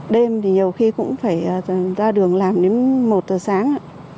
đêm thì nhiều khi cũng phải ra đường làm đến một giờ sáng